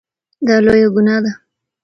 دا لویه ګناه ده.